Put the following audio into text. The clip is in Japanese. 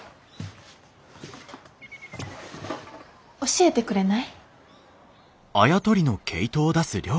教えてくれない？